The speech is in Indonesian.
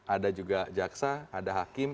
ada juga jaksa ada hakim